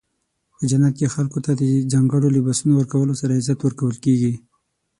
په جنت کې خلکو ته د ځانګړو لباسونو ورکولو سره عزت ورکول کیږي.